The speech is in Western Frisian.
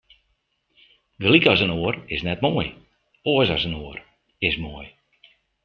Gelyk as in oar is net moai, oars as in oar is moai.